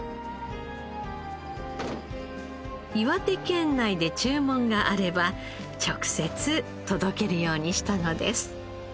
岩手県内で注文があれば直接届けるようにしたのです。